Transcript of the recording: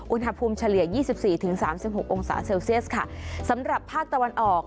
เฉลี่ยยี่สิบสี่ถึงสามสิบหกองศาเซลเซียสค่ะสำหรับภาคตะวันออก